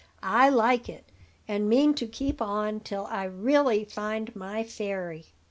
I like it, and mean to keep on till I really find my fairy."